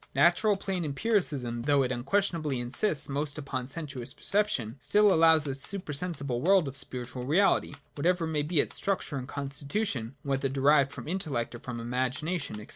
Natural plain Empiricism, though it unquestionably insists most upon sensuous perception, still allows a super sensible world or spiritual reality, whatever may be its structure and constitution, and whether derived from intellect, or from imagination, &c.